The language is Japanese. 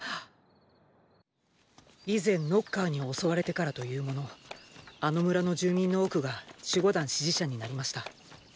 以前ノッカーに襲われてからというものあの村の住民の多くが守護団支持者になりました。